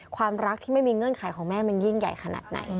ความรักที่ไม่มีเงื่อนไขของแม่มันยิ่งใหญ่ขนาดไหน